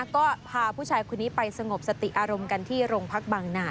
ก็พาผู้ชายคนนี้ไปสงบสติอารมณ์กันที่โรงพักบางนา